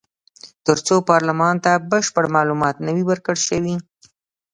تر څو پارلمان ته بشپړ معلومات نه وي ورکړل شوي.